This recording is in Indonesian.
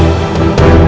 aku mau pergi